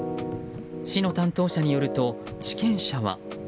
市の担当者によると地権者は。